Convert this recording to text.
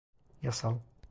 Yasal…